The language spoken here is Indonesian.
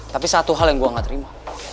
tapi satu hal yang gue gak terima